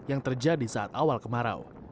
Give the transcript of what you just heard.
yang terjadi saat awal kemarau